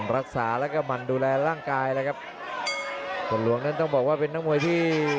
และโดยยังจะเล่นงานวงใน